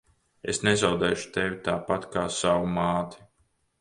Es nezaudēšu tevi tāpat kā savu māti.